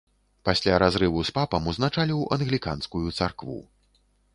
Пасля разрыву з папам узначаліў англіканскую царкву.